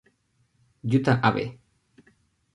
Yuta Abe